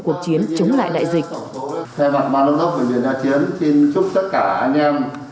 cuộc chiến chống lại đại dịch theo bản bản long tóc bệnh viện ngoại chiến xin chúc tất cả anh em